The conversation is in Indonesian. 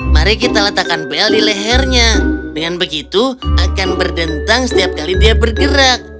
mari kita letakkan bel di lehernya dengan begitu akan berdentang setiap kali dia bergerak